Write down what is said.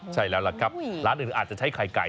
ใช่แล้วล่ะครับร้านอื่นอาจจะใช้ไข่ไก่